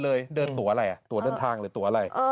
ก็คงไม่ค่อยต้องกลัว